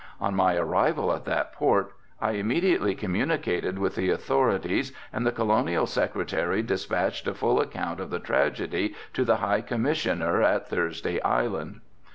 On my arrival at that port I immediately communicated with the authorities and the Colonial Secretary despatched a full account of the tragedy to the High Commissioner at Thursday Island.